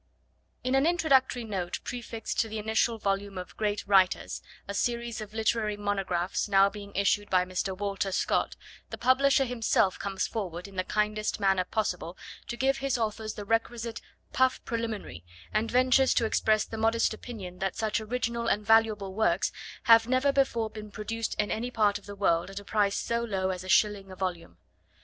In an introductory note prefixed to the initial volume of 'Great Writers,' a series of literary monographs now being issued by Mr. Walter Scott, the publisher himself comes forward in the kindest manner possible to give his authors the requisite 'puff preliminary,' and ventures to express the modest opinion that such original and valuable works 'have never before been produced in any part of the world at a price so low as a shilling a volume.'